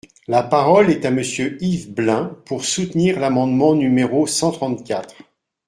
La parole est à Monsieur Yves Blein, pour soutenir l’amendement numéro cent trente-quatre.